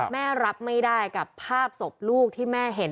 แม่รับไม่ได้กับภาพศพลูกที่แม่เห็น